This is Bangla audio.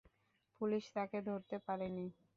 পুলিশ তাঁকে ধরতে পারেনি।